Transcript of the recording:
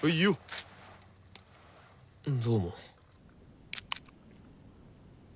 どうも。